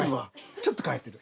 ちょっと変えてる。